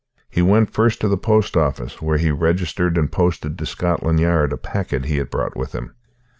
He went first to the post office, where he registered and posted to Scotland Yard a packet he had brought with him.